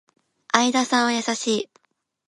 相田さんは優しい